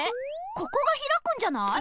ここがひらくんじゃない？